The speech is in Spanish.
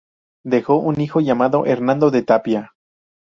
Dejó un hijo llamado Hernando de Tapia.